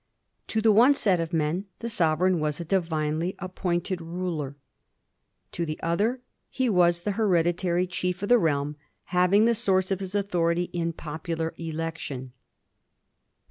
To the one set of men the sovereign was a divinely appointed ruler ; to the other, he was the hereditary chief of the realm, having the source of his authority in popular election.